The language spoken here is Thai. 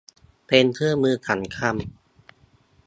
เป็นเครื่องมือสำคัญ